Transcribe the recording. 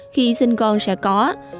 khi sinh con sẽ có